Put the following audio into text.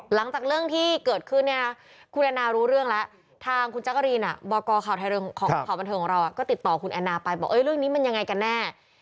หลังจากเรื่องที่เกิดขึ้นเนี่ยนะคุณแอนนารู้เรื่องแล้วทางคุณจักรีนบอกข่าวบันเทิงของเราก็ติดต่อคุณแอนนาไปบอกเรื่องนี้มันยังไงกันแน่